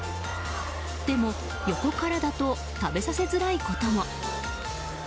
でも、横からだと食べさせづらいことも。